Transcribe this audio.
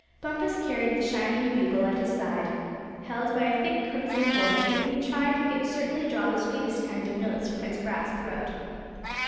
Bumpus carried the shining bugle at his side, held by a thick crimson cord; and when he tried he could certainly draw the sweetest kind of notes from its brass throat.